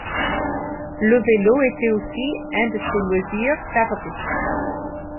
Le vélo était aussi un de ses loisirs favoris.